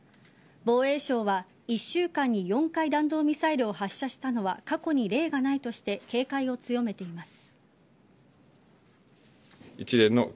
防衛省は一週間に４回弾道ミサイルを発射したのは過去に例がないとして警戒を強めています。